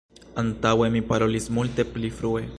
Antaŭe mi parolis multe pli flue.